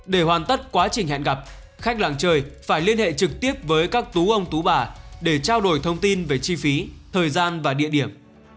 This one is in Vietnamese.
để hoàn tất quá trình hẹn gặp khách làng chơi phải liên hệ trực tiếp với các tú ông tú bà để trao đổi thông tin về chi phí thời gian và địa điểm